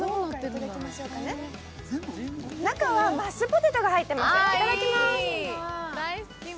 中はマッシュポテトが入ってます。